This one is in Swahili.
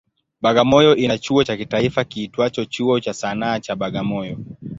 Bagamoyo ina chuo cha kitaifa kiitwacho Chuo cha Sanaa cha Bagamoyo.